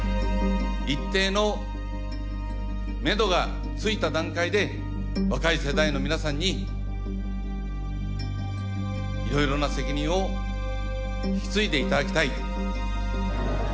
一定のめどがついた段階で若い世代の皆さんにいろいろな責任を引き継いで頂きたい。